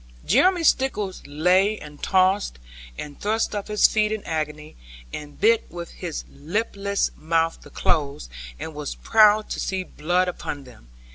Jeremy Stickles lay and tossed, and thrust up his feet in agony, and bit with his lipless mouth the clothes, and was proud to see blood upon them.